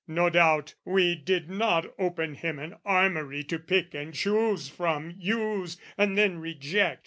No doubt "We did not open him an armoury "To pick and choose from, use, and then reject.